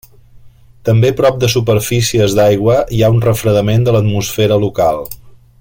També prop de superfícies d'aigua hi ha un refredament de l'atmosfera local.